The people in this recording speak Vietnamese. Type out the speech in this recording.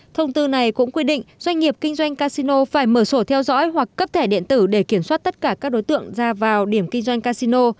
thông tư này cũng quy định doanh nghiệp kinh doanh casino phải mở sổ theo dõi hoặc cấp thẻ điện tử để kiểm soát tất cả các đối tượng ra vào điểm kinh doanh casino